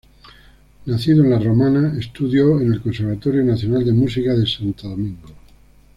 Nacido en la Romana estudió en el Conservatorio Nacional de Música de Santo Domingo.